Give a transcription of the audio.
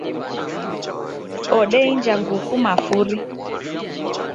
Odeinja nguku mafuri